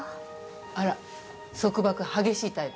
あら束縛激しいタイプ？